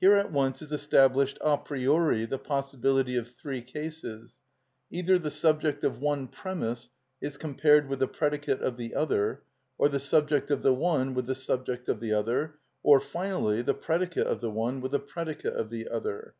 Here at once is established a priori the possibility of three cases; either the subject of one premiss is compared with the predicate of the other, or the subject of the one with the subject of the other, or, finally, the predicate of the one with the predicate of the other.